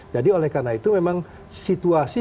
jadi karena itu memang situasi